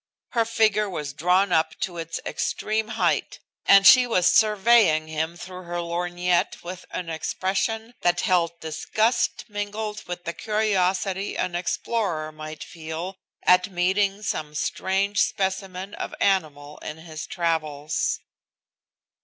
Her figure was drawn up to its extreme height, and she was surveying him through her lorgnette with an expression that held disgust mingled with the curiosity an explorer might feel at meeting some strange specimen of animal in his travels.